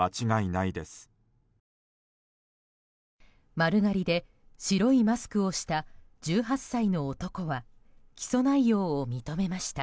丸刈りで白いマスクをした１８歳の男は起訴内容を認めました。